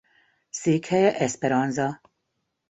Székhelye Esperanza.